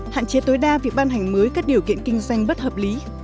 hạn chế tối đa việc ban hành mới các điều kiện kinh doanh bất hợp lý